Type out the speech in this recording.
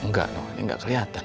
enggak nop ini enggak kelihatan